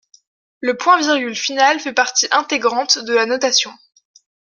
Le point-virgule final fait partie intégrante de la notation.